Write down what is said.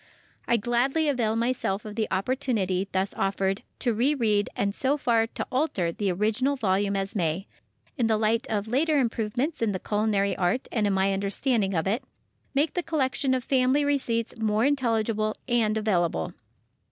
I gladly avail myself of the opportunity thus offered to re read and so far to alter the original volume as may, in the light of later improvements in the culinary art and in my understanding of it, make the collection of family receipts more intelligible and available.